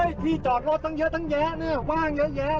ที่จอดรถตั้งเยอะตั้งแยะเนี่ยว่างเยอะแยะ